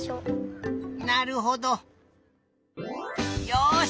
よし！